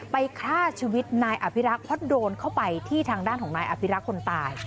ฆ่าชีวิตนายอภิรักษ์เพราะโดนเข้าไปที่ทางด้านของนายอภิรักษ์คนตาย